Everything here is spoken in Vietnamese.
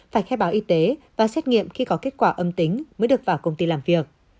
phải khai báo y tế và xét nghiệm khi có kết quả âm tính mới được vào công ty làm việc